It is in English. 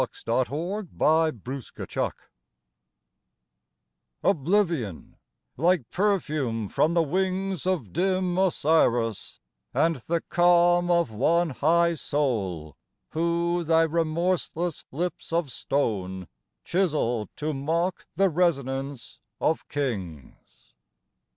104 XI I THE SPHINX OBLIVION like perfume from the wings Of dim Osiris, and the calm of one High soul, who thy remorseless lips of stone Chiselled to mock the resonance of kings.